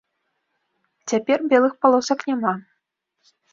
Цяпер белых палосак няма.